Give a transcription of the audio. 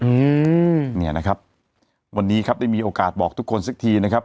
อืมเนี่ยนะครับวันนี้ครับได้มีโอกาสบอกทุกคนสักทีนะครับ